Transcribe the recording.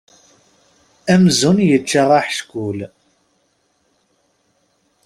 Amzun yečča aḥeckul.